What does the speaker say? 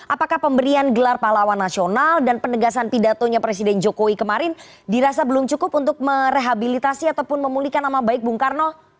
apakah pemberian gelar pahlawan nasional dan penegasan pidatonya presiden jokowi kemarin dirasa belum cukup untuk merehabilitasi ataupun memulihkan nama baik bung karno